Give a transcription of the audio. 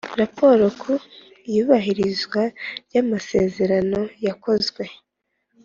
Raporo ku iyubahirizwa ry’amasezerano yarakozwe